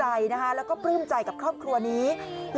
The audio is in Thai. เฮ่ยร้องเป็นเด็กเลยอ่ะภรรยาเซอร์ไพรส์สามีแบบนี้ค่ะ